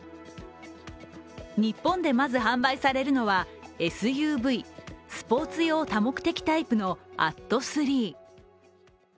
日本でまず販売されるのはＳＵＶ＝スポーツ用多目的タイプのＡＴＴＯ３。